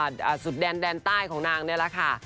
สุดแดนแดนใต้ของนางนี่แหละค่ะ